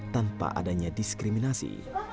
tanpa adanya diskriminasi